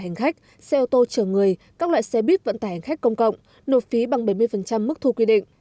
hành khách xe ô tô chở người các loại xe bít vận tải hành khách công cộng nộp phí bằng bảy mươi mức thu quy định